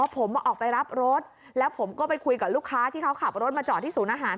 ผมออกไปรับรถแล้วผมก็ไปคุยกับลูกค้าที่เขาขับรถมาจอดที่ศูนย์อาหาร